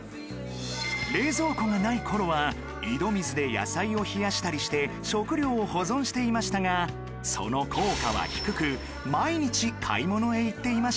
冷蔵庫がない頃は井戸水で野菜を冷やしたりして食料を保存していましたがその効果は低く毎日買い物へ行っていました